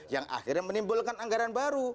yang akhirnya menimbulkan anggaran baru